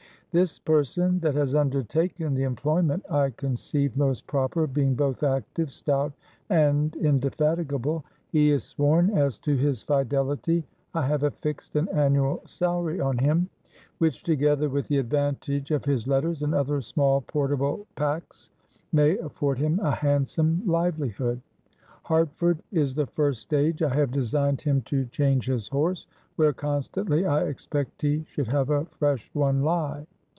This person that has undertaken the imployment I conceaved most proper, being both active, stout, and indefatigable. He is sworne as to his fidelity. I have affixt an annuall sallery on him, which, together with the advantage of his letters and other small portable packes, may afford him a handsome livelyhood. Hartford is the first stage I have designed him to change his horse, where constantly I expect he should have a fresh one lye.